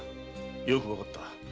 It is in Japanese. よくわかった。